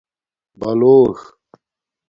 بلݸݽ